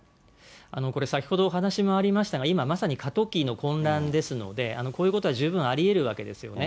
これ、先ほどお話もありましたが、今、まさに過渡期の混乱ですので、こういうことは十分ありえるわけですよね。